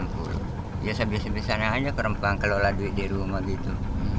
biasa biasa hanya ke rempang ke lola di rumah gitu